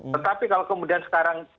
tetapi kalau kemudian sekarang